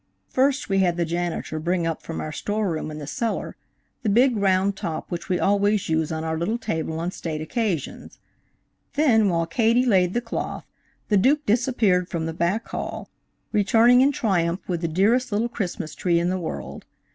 First, we had the janitor bring up from our store room in the cellar, the big round top which we always use on our little table on state occasions. Then, while Katie laid the cloth, the Duke disappeared m the back hall, returning in triumph with the dearest little Christmas tree in the world.